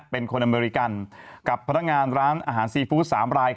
เป็นคนอเมริกันกับพนักงานร้านอาหารซีฟู้ด๓ราย